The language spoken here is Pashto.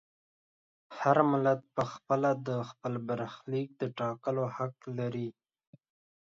هر ملت په خپله د خپل برخلیک د ټاکلو حق لري.